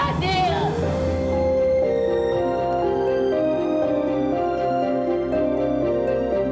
nanti tinggalin nek